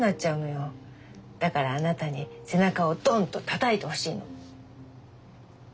だからあなたに背中をドンとたたいてほしいの。